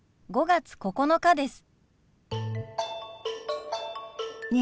５月９日です。